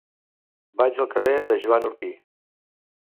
Vaig al carrer de Joan Orpí.